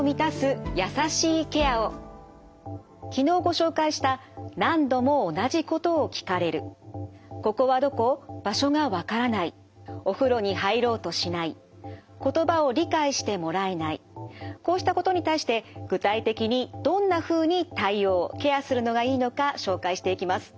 昨日ご紹介したこうしたことに対して具体的にどんなふうに対応ケアするのがいいのか紹介していきます。